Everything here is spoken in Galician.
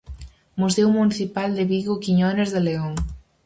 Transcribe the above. Museo Municipal de Vigo Quiñones de León.